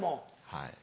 はい。